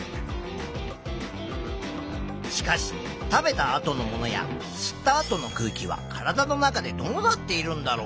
しかし食べたあとのものや吸ったあとの空気は体の中でどうなっているんだろう？